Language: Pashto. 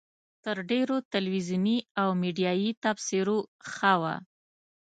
تر ډېرو تلویزیوني او میډیایي تبصرو ښه وه.